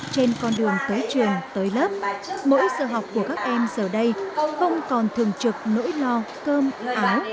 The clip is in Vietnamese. trên con đường tới trường tới lớp mỗi giờ học của các em giờ đây không còn thường trực nỗi lo cơm áo